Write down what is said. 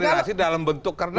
tapi koordinasi dalam bentuk karena